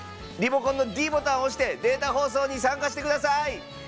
リモコンのｄボタンを押してデータ放送に参加してください。